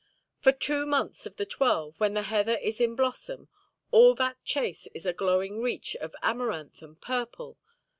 For two months of the twelve, when the heather is in blossom, all that chase is a glowing reach of amaranth and purple.